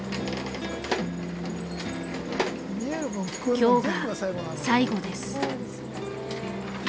今日が最後です。